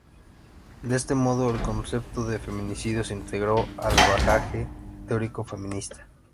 De este modo el concepto de feminicidio se integró al bagaje teórico feminista.